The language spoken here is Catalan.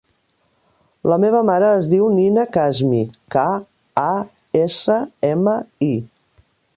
La meva mare es diu Nina Kasmi: ca, a, essa, ema, i.